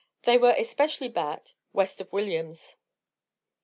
They were especially bad west of Williams.